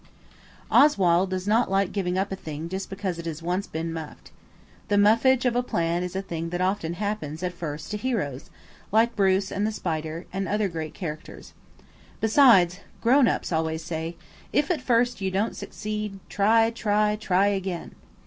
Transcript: Oswald does not like giving up a thing just because it has once been muffed. The muffage of a plan is a thing that often happens at first to heroes–like Bruce and the spider, and other great characters. Besides, grown ups always say– "If at first you don't succeed, Try, try, try again!"